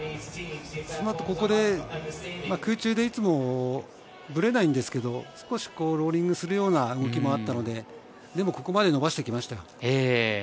その後ここで空中でいつもブレないんですけど、少しローリングするような動きもあったので、でもここまで伸ばしてきました。